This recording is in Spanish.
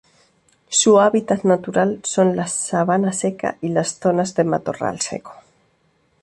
Su hábitat natural son las sabana seca y las zonas de matorral seco.